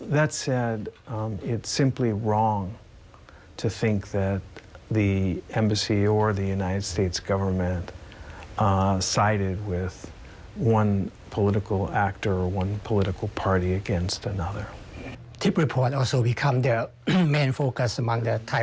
ข้ามันเป็นความที่ฉันคิดว่าที่ต่างจากปรับบัญธิการไทยประมาณกันขึ้นเยอะมาก